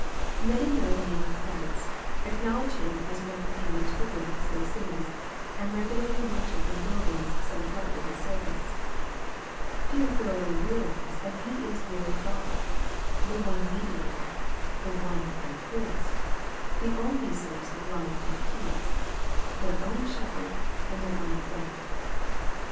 Many know the name of Christ, acknowledge Him as one who came into the world to save sinners, and regularly worship in buildings set apart for His service., Few thoroughly realize that He is very God the one Mediator the one High Priest the only source of life and peace their own Shepherd and their own Friend.